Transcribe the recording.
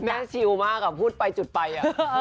แม่ชิวมากอะพูดไปจุดไปอะ